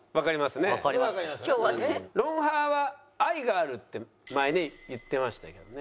『ロンハー』は愛があるって前ね言ってましたけどね。